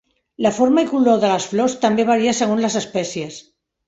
La forma i color de les flors també varia segons les espècies.